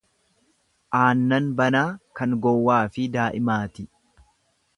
Aannan banaa kan gowwaafi daa'imaati.